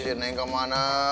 oh si neng kemana